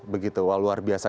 begitu luar biasa